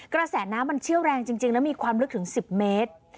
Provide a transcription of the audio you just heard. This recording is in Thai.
กระแสน้ำมันเชี่ยวแรงจริงแล้วมีความลึกถึง๑๐เมตร